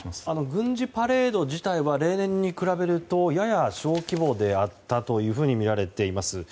軍事パレード自体は例年に比べるとやや小規模であったというふうにみられています。